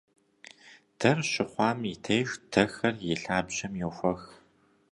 Дэр щыхъуам и деж дэхэр и лъабжьэм йохуэх.